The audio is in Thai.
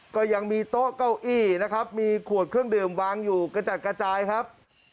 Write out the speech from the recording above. ก็ยังมีโต๊ะเก้าอี้นะครับมีขวดเครื่องดื่มวางอยู่กระจัดกระจายครับ